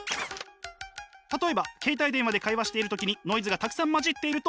例えば携帯電話で会話している時にノイズがたくさん混じっていると。